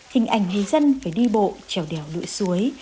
hình ảnh người dân phải đi bộ trèo đèo lưỡi suối